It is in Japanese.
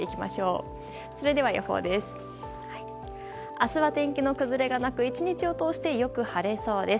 明日は天気の崩れがなく１日を通してよく晴れそうです。